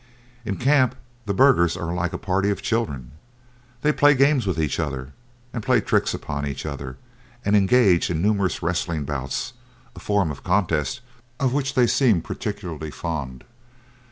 In camp the burghers are like a party of children. They play games with each other, and play tricks upon each other, and engage in numerous wrestling bouts, a form of contest of which they seem particularly fond.